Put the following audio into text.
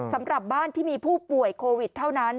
สำหรับบ้านที่มีผู้ป่วยโควิดเท่านั้น